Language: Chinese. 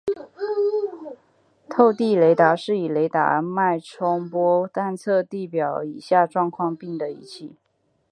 透地雷达是以雷达脉冲波探测地表以下状况并的仪器。